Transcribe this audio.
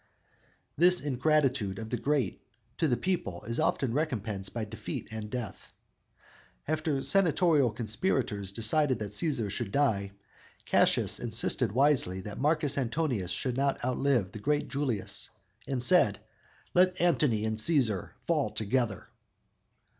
"_ This ingratitude of the great to the people is often recompensed by defeat and death. After the senatorial conspirators decided that Cæsar should die, Cassius insisted wisely that Marcus Antonius should not outlive the great Julius, and said: "Let Antony and Cæsar fall together!"